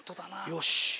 よし。